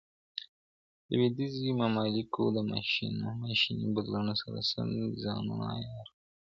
لویدیځو ممالکو د ماشیني بدلون سره سم ځانونه عیار کړل.